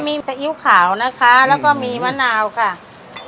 มีซีอิ๊วขาวนะคะแล้วก็มีมะนาวค่ะ